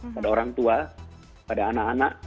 pada orang tua pada anak anak